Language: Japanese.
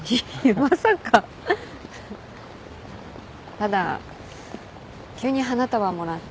ただ急に花束もらって。